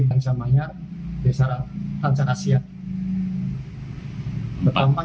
dan semuanya biasa rancang asian